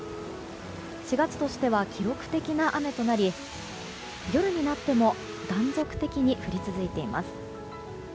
４月としては記録的な雨となり夜になっても断続的に降り続いています。